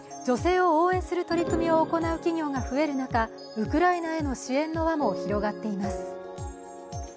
女性を応援する取り組みを行う企業が増える中ウクライナへの支援の輪も広がっています。